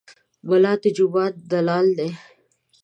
ملا د جومات دلال دی.